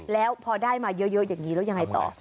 แล้วพอได้มาเยอะอย่างนี้แล้วยังไงต่อ